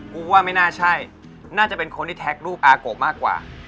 กูว่าไม่น่าใช่น่าจะเป็นคนที่แท็กรูปอาโกะมากกว่า